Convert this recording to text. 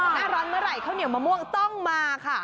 หน้าร้อนเมื่อไหร่ข้าวเหนียวมะม่วงต้องมาค่ะ